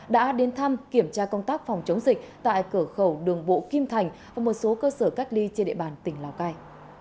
đã đến thăm kiểm tra công tác phòng chống dịch tại cửa khẩu đường bộ kim thành và một số cơ sở cách ly trên địa bàn tỉnh lào cai